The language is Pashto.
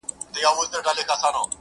اوس په لمانځه کي دعا نه کوم ښېرا کومه!